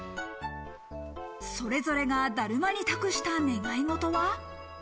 それぞれがだるまに託した願い事は？